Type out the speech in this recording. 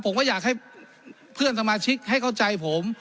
ผมก็อยากให้เพื่อนสมาชิกให้เข้าใจผม